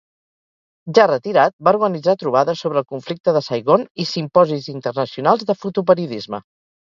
Ja retirat, va organitzar trobades sobre el conflicte de Saigon i simposis internacionals de fotoperiodisme.